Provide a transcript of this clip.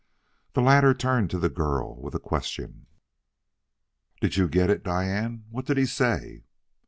The latter turned to the girl with a question. "Did you get it, Diane? What did he say?"